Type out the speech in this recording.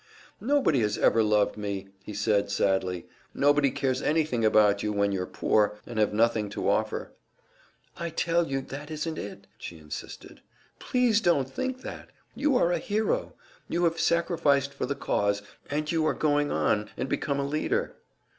"Nobody has ever loved me," he said, sadly. "Nobody cares anything about you, when you are poor, and have nothing to offer " "I tell you, that isn't it!" she insisted. "Please don't think that! You are a hero. You have sacrificed for the cause, and you are going on and become a leader."